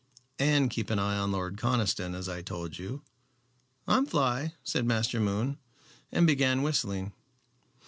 "And keep an eye on Lord Conniston as I told you." "I'm fly," said Master Moon, and began whistling.